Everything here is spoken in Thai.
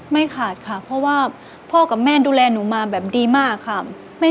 ไม่ขาดค่ะเพราะว่าพ่อกับแม่ดูแลหนูมาแบบดีมากค่ะ